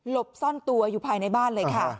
บซ่อนตัวอยู่ภายในบ้านเลยค่ะ